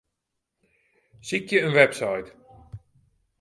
Sykje in website.